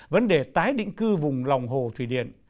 vấn đề tái định cư vùng lòng hồ thủy điện